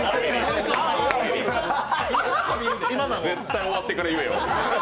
絶対終わってから言えよ。